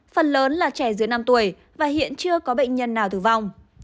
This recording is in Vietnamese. phần lớn là trẻ dưới năm tuổi và hiện chưa có bệnh nhân nào tử vong